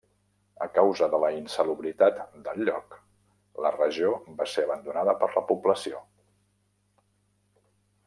A causa de la insalubritat del lloc, la regió va ser abandonada per la població.